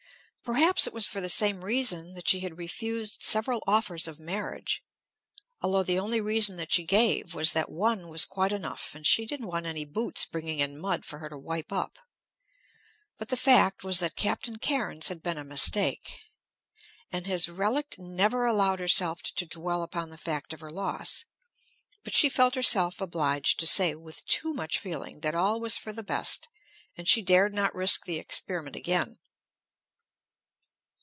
Perhaps it was for the same reason that she had refused several offers of marriage; although the only reason that she gave was that one was quite enough, and she didn't want any boots bringing in mud for her to wipe up. But the fact was that Captain Cairnes had been a mistake; and his relict never allowed herself to dwell upon the fact of her loss, but she felt herself obliged to say with too much feeling that all was for the best; and she dared not risk the experiment again.